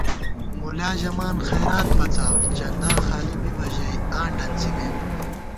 مُلا ژَمان خیرات پَڅا، چندا خالی بِبہ ژَئی آں ڈنڅِمېم